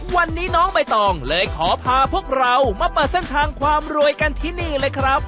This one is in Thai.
วันนี้น้องใบตองเลยขอพาพวกเรามาเปิดเส้นทางความรวยกันที่นี่เลยครับ